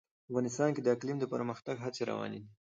افغانستان کې د اقلیم د پرمختګ هڅې روانې دي.